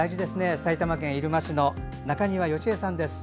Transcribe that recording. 埼玉県入間市の中庭淑惠さんです。